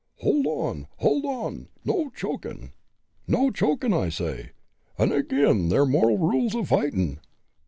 "Hold on! hold on! no chokin'! no chokin', I say; it's ag'in' ther moral rules o' fightin'!"